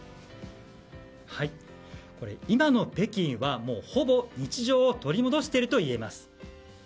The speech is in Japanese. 今の北京は、ほぼ日常を取り戻しているといえます。